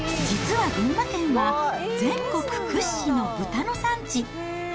実は群馬県は、全国屈指の豚の産地。